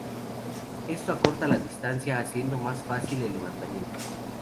Esto acorta la distancia, haciendo más fácil el levantamiento.